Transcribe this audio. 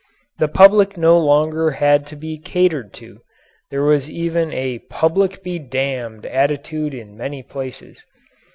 The public no longer had to be "catered to." There was even a "public be damned" attitude in many places.